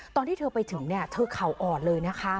ตอนที่เธอไปถึงเนี่ยเธอเข่าอ่อนเลยนะคะ